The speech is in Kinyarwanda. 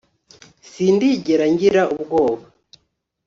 sindigera ngira ubwoba